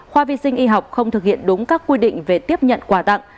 khoa vi sinh y học không thực hiện đúng các quy định về tiếp nhận quà tặng